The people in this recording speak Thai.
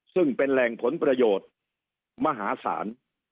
ซึ่งเป็นแหล่งผลประโยชน์มหาศาล